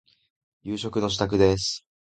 夕食の支度です。